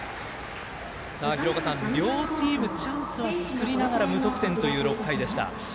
両チームチャンスは作りながら無得点という６回でした。